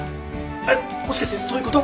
えっもしかしてそういう事！？